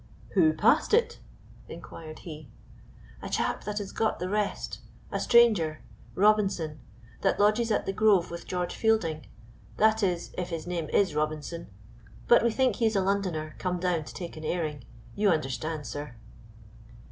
"Who passed it?" inquired he. "A chap that has got the rest a stranger Robinson that lodges at "The Grove" with George Fielding; that is, if his name is Robinson, but we think he is a Londoner come down to take an airing. You understand, Sir."